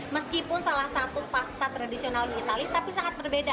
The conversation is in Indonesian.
meskipun salah satu pasta tradisional di itali tapi sangat berbeda